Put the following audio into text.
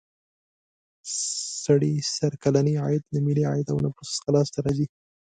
سړي سر کلنی عاید له ملي عاید او نفوسو څخه لاس ته راځي.